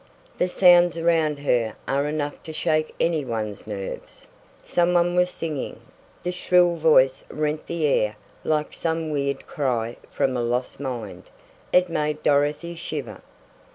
The sounds around here are enough to shake any one's nerves." Some one was singing. The shrill voice rent the air like some weird cry from a lost mind. It made Dorothy shiver.